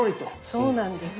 そうなんです。